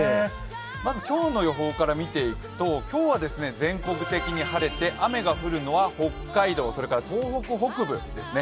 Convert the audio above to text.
まず今日の予報から見ていくと、今日は全国的に晴れて雨が降るのは北海道、それから東北北部ですね。